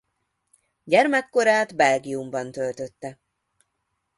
Gyermekkorát Belgiumban töltötte.